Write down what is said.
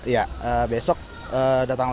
ya besok datanglah